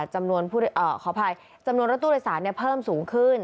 จำนวนรถตู้โดยสารเนี่ยเพิ่มสูงขึ้น